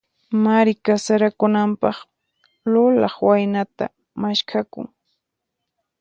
Mari kasarakunanpaq, lulaq waynata maskhakun.